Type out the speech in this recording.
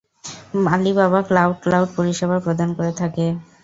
Alibaba cloud cloud পরিষেবা প্রদান করে থাকে।